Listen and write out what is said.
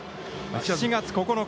７月９日。